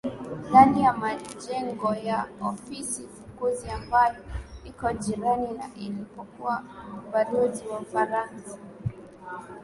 Ndani ya majengo ya ofisi fukuzi ambayo iko jirani na ulipokuwa ubalozi wa ufaransa